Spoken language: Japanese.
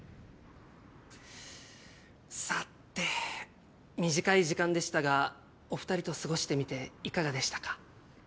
さて短い時間でしたがお２人と過ごしてみていかがでしたか？